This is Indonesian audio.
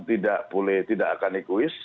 tidak boleh tidak akan egois